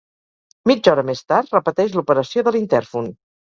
Mitja hora més tard, repeteix l'operació de l'intèrfon.